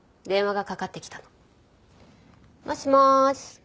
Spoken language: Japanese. もしもーし？